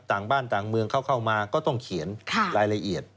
ต่างบ้านต่างเมืองเข้ามาก็ต้องเขียนรายละเอียด